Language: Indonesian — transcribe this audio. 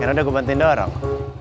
kayaknya udah gue bantuin dorong